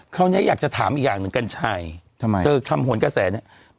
เนี้ยอยากจะถามอีกอย่างหนึ่งกัญชัยทำไมเธอคำหวนกระแสเนี่ย